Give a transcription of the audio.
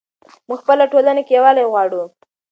موږ په خپله ټولنه کې یووالی غواړو.